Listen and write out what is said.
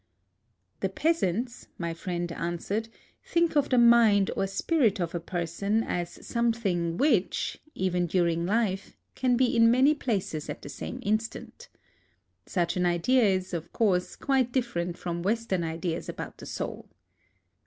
" The peasants," my friend answered, " think of the mind or spirit of a person as something which, even during life, can be in many places at the same instant. ... Such an idea is, of course, quite different from Western ideas about the soul."